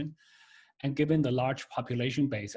dan berdasarkan populasi besar